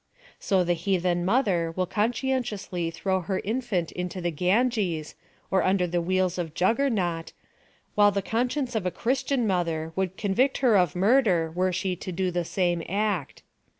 So the heathen mother will conscientiously throw lier infant into the Gan ges, or under the wheels of Juggernaut, while tiie conscience of a christian mother would convict her of murder were she to do the same act.